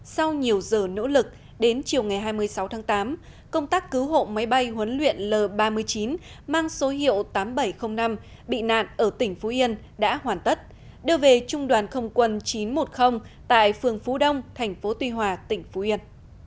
sau nhiều giờ nỗ lực đến chiều ngày hai mươi sáu tháng tám công tác cứu hộ máy bay huấn luyện l ba mươi chín mang số hiệu tám nghìn bảy trăm linh năm bị nạn ở tỉnh phú yên đã hoàn tất đưa về trung đoàn không quân chín trăm một mươi tại phường phú đông thành phố tuy hòa tỉnh phú yên